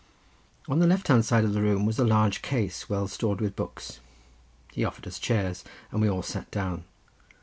On the left side of the room was a large case, well stored with books. He offered us chairs, and we all sat down.